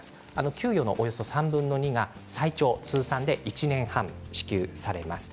給与のおよそ３分の２が最長通算で１年半支給されます。